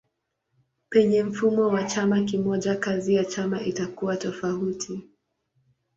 Penye mfumo wa chama kimoja kazi ya chama itakuwa tofauti.